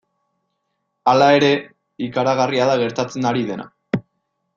Hala ere, ikaragarria da gertatzen ari dena.